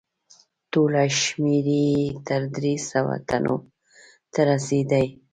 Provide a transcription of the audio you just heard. ټوله شمیر یې تر درې سوه تنو ته رسیده.